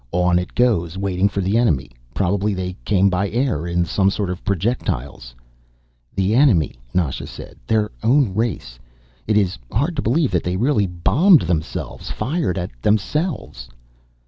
On it goes, waiting for the enemy. Probably they came by air in some sort of projectiles." "The enemy," Nasha said. "Their own race. It is hard to believe that they really bombed themselves, fired at themselves."